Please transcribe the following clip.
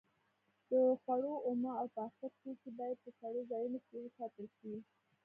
د خوړو اومه او پاخه توکي باید په سړو ځایونو کې وساتل شي.